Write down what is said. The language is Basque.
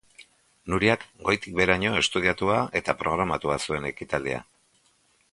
Nuriak goitik beheraino estudiatua eta programatua zuen ekitaldia.